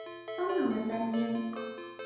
幫忙了三天